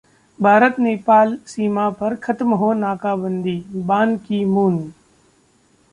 भारत-नेपाल सीमा पर खत्म हो नाकाबंदी: बान की मून